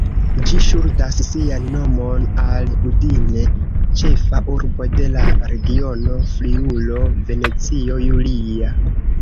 Ĝi ŝuldas sian nomon al Udine, ĉefa urbo de la regiono Friulo-Venecio Julia.